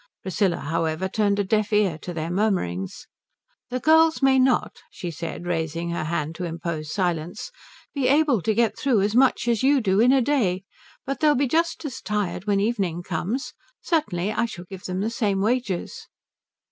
Priscilla however turned a deaf ear to their murmurings. "The girls may not," she said, raising her hand to impose silence, "be able to get through as much as you do in a day, but they'll be just as tired when evening comes. Certainly I shall give them the same wages."